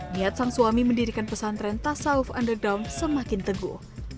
niat sang suami mendirikan pesantren tasawuf underdown semakin teguh